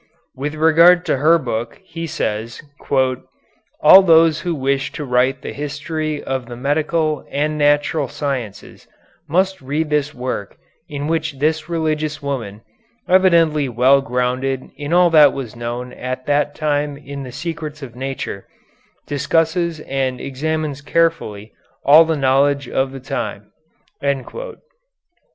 With regard to her book he says: "All those who wish to write the history of the medical and natural sciences must read this work in which this religious woman, evidently well grounded in all that was known at that time in the secrets of nature, discusses and examines carefully all the knowledge of the time."